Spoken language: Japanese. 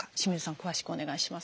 詳しくお願いします。